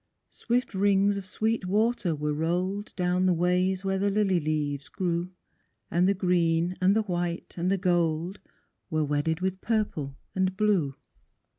Swift rings of sweet water were rolled Down the ways where the lily leaves grew, And the green, and the white, and the gold, Were wedded with purple and blue.